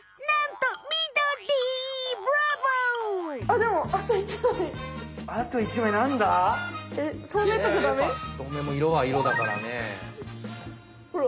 とうめいも色は色だからね。ほら！